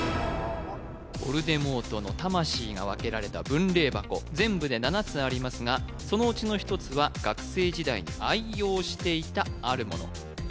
ヴォルデモートの魂が分けられた分霊箱全部で７つありますがそのうちの１つは学生時代に愛用していたあるもの